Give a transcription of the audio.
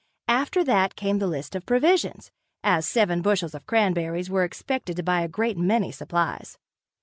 After that came the list of provisions, as seven bushels of cranberries were expected to buy a great many supplies.